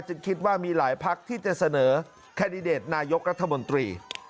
คิดว่ามีหลายพักที่จะเสนอแคนดิเดตนายกรัฐมนตรี